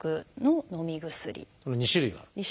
この２種類がある。